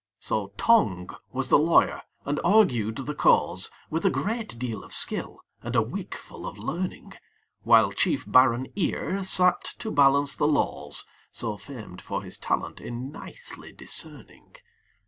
So Tongue was the lawyer, and argued the cause With a great deal of skill, and a wig full of learning; While chief baron Ear sat to balance the laws, So famed for his talent in nicely discerning.